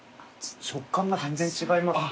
食感が全然違います。